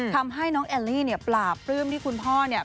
ทำให้น้องแอลลี่เนี่ยปราบปลื้มที่คุณพ่อเนี่ย